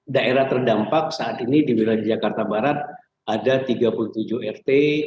daerah terdampak saat ini di wilayah jakarta barat ada tiga puluh tujuh rt